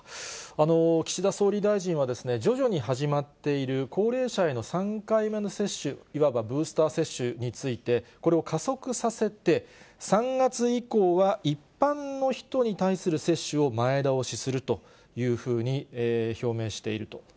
岸田総理大臣は徐々に始まっている高齢者への３回目の接種、いわばブースター接種について、これを加速させて、３月以降は一般の人に対する接種を前倒しするというふうに表明していると。